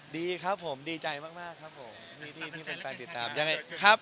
ดีครับผมดีใจมากครับผมที่เป็นแฟนติดตาม